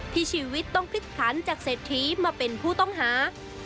ชีวิตต้องพลิกผลันจากเศรษฐีมาเป็นผู้ต้องหา